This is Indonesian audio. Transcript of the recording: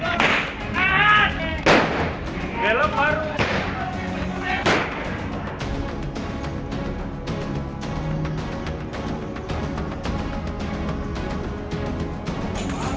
dia sampai berhenti guys